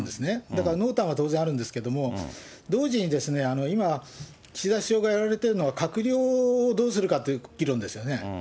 だから濃淡は当然あるんですけれども、同時に今、岸田首相がやられてるのは、閣僚をどうするかという議論ですよね。